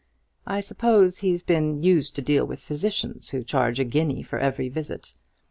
I suppose he's been used to deal with physicians, who charge a guinea for every visit.